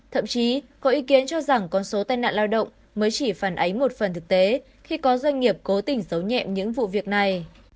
thậm chí có ý kiến cho rằng con số tai nạn lao động mới chỉ phản ánh một phần thực tế khi có doanh nghiệp cố tình giấu nhẹ những vụ việc này